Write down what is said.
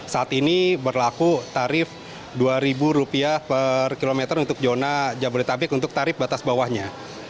saat ini berlaku tarif rp dua per kilometer untuk zona jabodetabek untuk tarif batas bawahnya